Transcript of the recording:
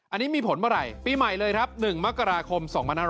อันนี้มีผลเมื่อไหร่ปีใหม่เลยครับ๑มกราคม๒๕๖๒